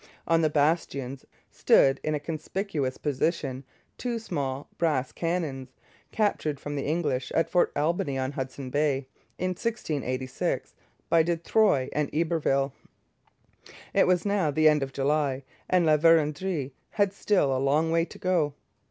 On the bastions stood in a conspicuous position two small brass cannon, captured from the English at Fort Albany on Hudson Bay, in 1686, by De Troyes and Iberville. It was now the end of July, and La Vérendrye had still a long way to go.